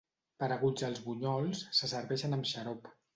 Pareguts als bunyols, se serveixen amb xarop.